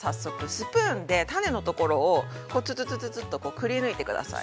スプーンで、種のところをツツツツとくりぬいてください。